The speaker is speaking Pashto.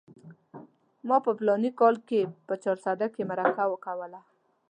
ما په فلاني کال کې په چارسده کې مرکه کوله.